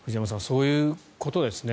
そういうことですね。